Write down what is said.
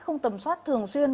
không tầm soát thường xuyên